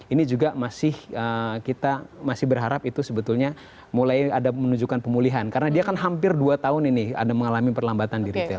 ini juga masih kita masih berharap itu sebetulnya mulai ada menunjukkan pemulihan karena dia kan hampir dua tahun ini ada mengalami perlambatan di retail